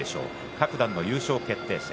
各段の優勝決定戦